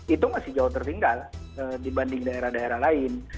itu masih jauh tertinggal dibanding daerah daerah lain